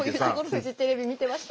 フジテレビ見てました。